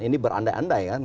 ini berandai andai kan